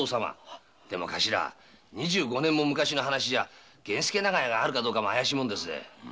でも二十五年も昔の話じゃ源助長屋があるかどうかも怪しいもんですぜ。